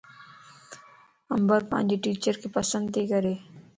عمبر پانجي ٽيچرک پسنڌ تي ڪري